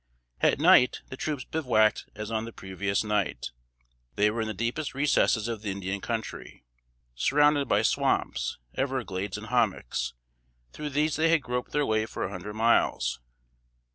At night the troops bivouacked as on the previous night. They were in the deepest recesses of the Indian Country, surrounded by swamps, everglades and hommocks: through these they had groped their way for a hundred miles.